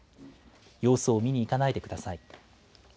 様子を見に行かないでください。